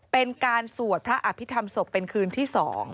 เป็นการสวดพระอภิษฐรรมศพเป็นคืนที่๒